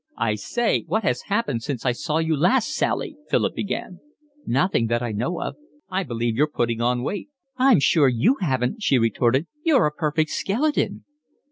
"I say, what HAS happened since I saw you last, Sally?" Philip began. "Nothing that I know of." "I believe you've been putting on weight." "I'm sure you haven't," she retorted. "You're a perfect skeleton."